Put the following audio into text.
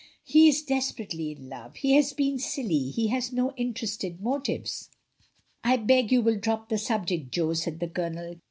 He is desperately in love; he has been silly; he has no interested motives." "I beg you will drop the subject, Jo/' said the Colonel.